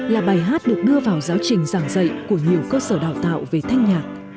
là bài hát được đưa vào giáo trình giảng dạy của nhiều cơ sở đào tạo về thanh nhạc